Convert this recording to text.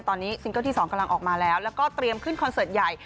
ตอนนี้ซิงเกิลที่๒กำลังออกมาแล้วแล้วก็เตรียมขึ้นคอนเสิร์ตใหญ่